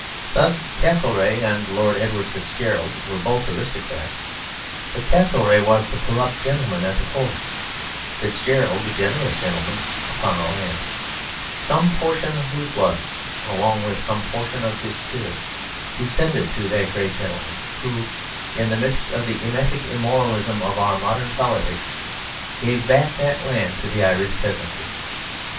Thus, Castlereagh and Lord Edward Fitzgerald were both aristocrats. But Castlereagh was the corrupt gentleman at the Court, Fitzgerald the generous gentleman upon the land; some portion of whose blood, along with some portion of his spirit, descended to that great gentleman, who in the midst of the emetic immoralism of our modern politics gave back that land to the Irish peasantry.